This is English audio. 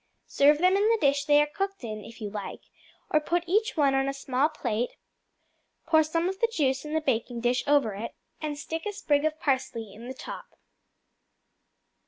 Serve them in the dish they are cooked in, if you like, or put each one on a small plate, pour some of the juice in the baking dish over it, and stick a sprig of parsley in the top.